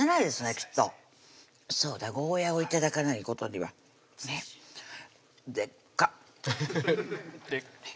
きっとそうだゴーヤを頂かないことにはねっでっか！